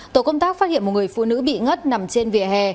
tổ công tác phát hiện một người phụ nữ bị ngất nằm trên vỉa hè